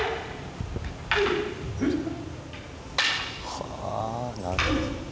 はぁなるほど。